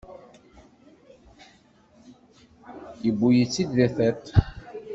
Yewwi-yi-tt-id di tiṭ.